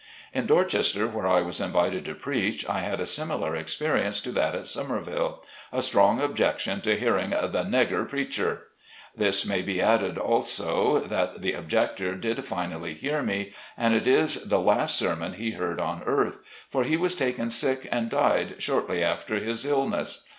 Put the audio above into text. In Dorchester, where I was invited to preach, I had a similar experience to that at Somerville — a strong objection to hearing the " negger preacher" This may be added also that the objector did finally hear me, and it is the last sermon he heard on earth. For he was taken sick and died shortly after his ill ness.